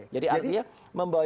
jadi artinya membawa